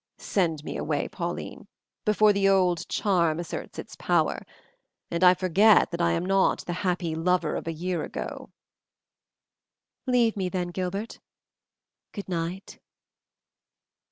Send me away, Pauline, before the old charm asserts its power, and I forget that I am not the happy lover of a year ago." "Leave me then, Gilbert. Good night."